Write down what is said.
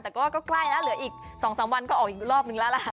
แต่ก็ใกล้แล้วเหลืออีก๒๓วันก็ออกอีกรอบนึงแล้วล่ะ